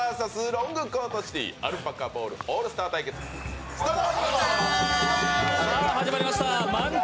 ロングコートシティ「アルパカボールオールスター」対決スタート。